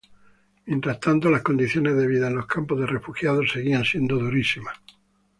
Mientras tanto las condiciones de vida en los campos de refugiados seguían siendo durísimas.